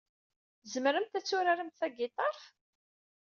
Tzemremt ad turaremt tagitaṛt?